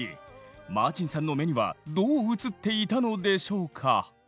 マーチンさんの目にはどう映っていたのでしょうか。